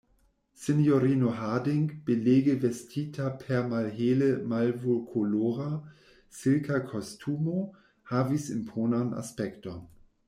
Sinjorino Harding, belege vestita per malhele malvokolora, silka kostumo, havis imponan aspekton.